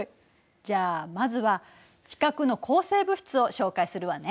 じゃあまずは地殻の構成物質を紹介するわね。